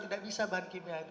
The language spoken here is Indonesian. tidak bisa bahan kimia itu